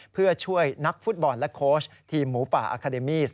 เพื่อช่วยนักฟุตบอลและโค้ชทีมหมูป่าอาคาเดมีส